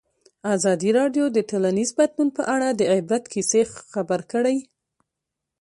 ازادي راډیو د ټولنیز بدلون په اړه د عبرت کیسې خبر کړي.